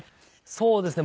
そうですね。